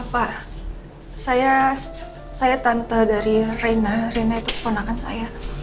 pak saya tante dari reina rena itu keponakan saya